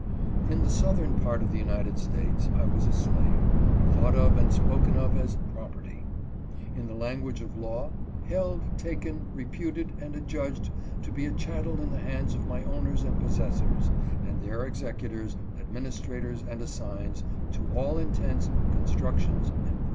In the southern part of the United States, I was a slave — thought of and spoken of as property ; in the language of law, ' held, taken, reputed, and adjudged to be a chattel in the hands of my owners and possessors, and their executors, administrators, and assigns, to all intents, constructions, and pur COMPARES ENGLAND AND UNITED STATES.